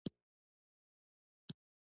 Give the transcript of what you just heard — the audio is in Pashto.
کویلیو یو انسټیټیوټ تاسیس کړی دی.